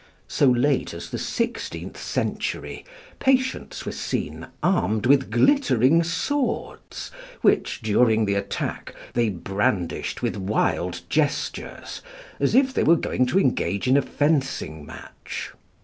So late as the sixteenth century patients were seen armed with glittering swords which, during the attack, they brandished with wild gestures, as if they were going to engage in a fencing match.